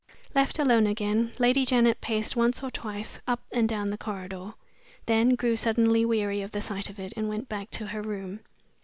Left alone again, Lady Janet paced once or twice up and down the corridor then grew suddenly weary of the sight of it, and went back to her room.